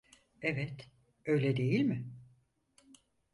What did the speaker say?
Evet, öyle değil mi?